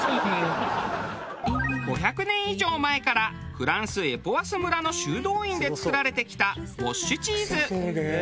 ５００年以上前からフランスエポワス村の修道院で作られてきたウォッシュチーズ。